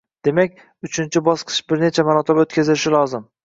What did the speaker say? Demak, uchinchi bosqich bir necha marotaba o‘tkazilishi lozim.